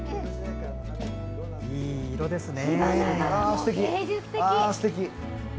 いい色ですね。